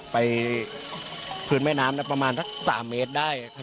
ไปพื้นแม่น้ำประมาณสัก๓เมตรได้